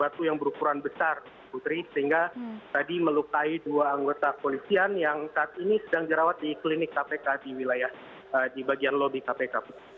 dan itu juga menyebabkan keadaan besar putri sehingga tadi melukai dua anggota polisian yang saat ini sedang jerawat di klinik kpk di wilayah di bagian lobby kpk